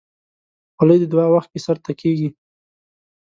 خولۍ د دعا وخت کې سر ته کېږي.